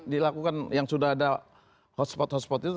dilakukan yang sudah ada hotspot hotspot itu